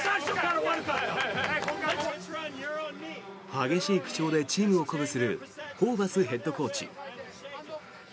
激しい口調でチームを鼓舞するホーバスヘッドコーチ。